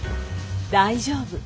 大丈夫。